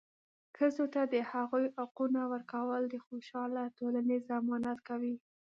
ښځو ته د هغوي حقونه ورکول د خوشحاله ټولنې ضمانت کوي.